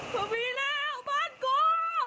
พอมีแล้วบ้านกู